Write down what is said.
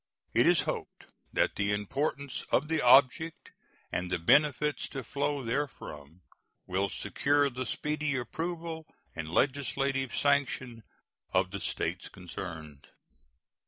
It is hoped that the importance of the object and the benefits to flow therefrom will secure the speedy approval and legislative sanction of the States concerned.